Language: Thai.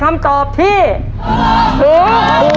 ทาราบังชุดรับแขกเนี่ยออกวางแผงในปีภศ